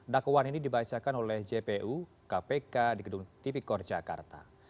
dakwaan ini dibacakan oleh jpu kpk di gedung tipikor jakarta